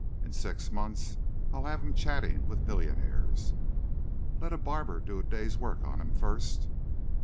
In six months I'll have him chatting with millionaires." "Let a barber do a day's work on him first."